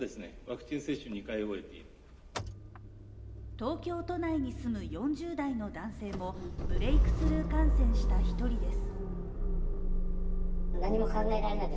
東京都内に住む４０代の男性もブレークスルー感染した１人です。